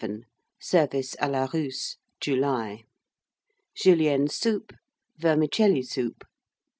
MENU. 2137. SERVICE A LA RUSSE (July). Julienne Soup. Vermicelli Soup.